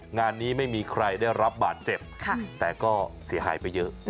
งานนี้ไม่มีใครได้รับบาดเจ็บแต่ก็เสียหายไปเยอะ